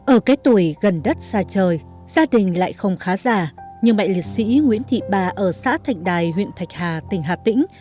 ở cái tuổi gần đất xa trời gia đình lại không khá già nhưng mẹ liệt sĩ nguyễn thị ba ở xã thạch đài huyện thạch hà tỉnh hà tĩnh